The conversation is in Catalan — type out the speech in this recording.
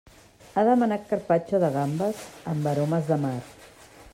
Ha demanat carpaccio de gambes amb aromes de mar.